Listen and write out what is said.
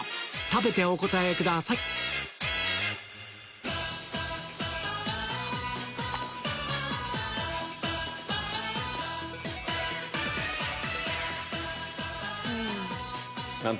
食べてお答えくださいうん。